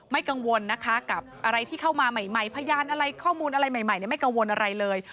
กังวลนะคะกับอะไรที่เข้ามาใหม่พยานอะไรข้อมูลอะไรใหม่ไม่กังวลอะไรเลย